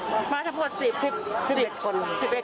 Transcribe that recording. ประมาทปุด๑๐๑๑คน